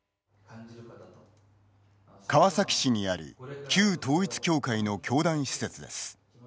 川崎市にある旧統一教会の教団施設です。